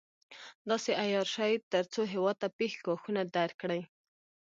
داسې عیار شي تر څو هېواد ته پېښ ګواښونه درک کړي.